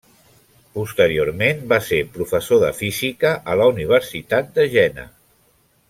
Posteriorment, va ser professor de física a la Universitat de Jena.